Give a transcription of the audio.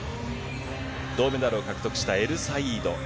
銅メダルを獲得したエルサイード。